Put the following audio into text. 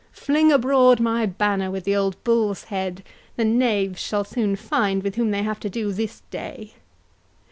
33—Fling abroad my banner with the old bull's head—the knaves shall soon find with whom they have to do this day!"